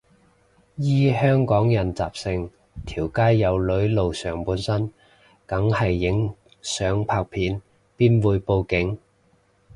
依香港人習性，條街有女露上半身梗係影相拍片，邊會報警